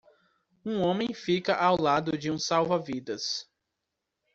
Um homem fica ao lado de um salva-vidas.